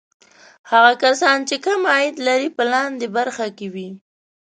هغه کسان چې کم عاید لري په لاندې برخه کې وي.